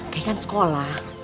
kayaknya kan sekolah